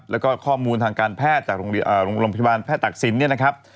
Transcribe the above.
แล้วก็ข้อมูลทางการแพทย์จากโรงพยาบาลแพทย์ตักศิลป์เนี่ยนะครับ